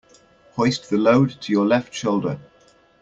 Hoist the load to your left shoulder.